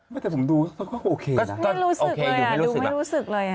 ไม่แต่ผมดูโอเคนะไม่รู้สึกเลยดูไม่รู้สึกเลย